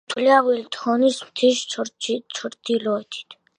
აღმართულია ვილდჰორნის მთის ჩრდილოეთით.